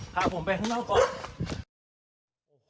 พาผมไปข้างนอกก่อน